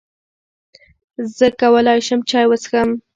زۀ کولای شم چای وڅښم؟